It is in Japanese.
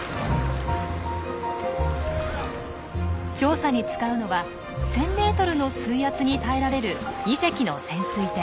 調査に使うのは１，０００ｍの水圧に耐えられる２隻の潜水艇。